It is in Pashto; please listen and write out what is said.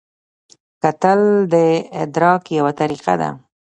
کتل د ادراک یوه طریقه ده